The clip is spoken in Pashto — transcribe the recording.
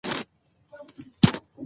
اوښ د افغانستان د طبیعت برخه ده.